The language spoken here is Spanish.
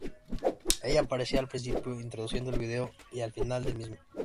Ella aparecía al principio, introduciendo el video, y al final del mismo.